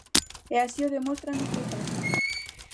E así o demostran estes datos.